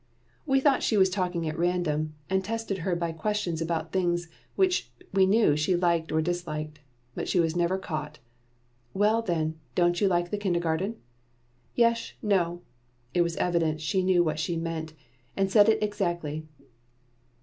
We thought she was talking at random, and tested her by questions about things which we knew she liked or disliked. But she was never caught. "Well, then, don't you like the kindergarten?" "Yesh. No." It was evident she knew what she meant, and said it exactly.